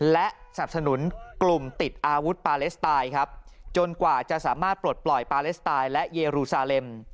และสนับสนุนกลุ่มติดอาวุธปาเลสไตล์ครับจนกว่าจะสามารถปลดปล่อยปาเลสไตน์และเยรูซาเลม